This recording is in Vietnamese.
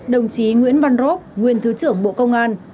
đồng chí nguyễn văn rốp nguyên thứ trưởng bộ công an